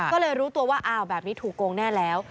ก็เลยรู้ตัวว่าอ้าวแบบนี้ถูกโกงแน่แล้ว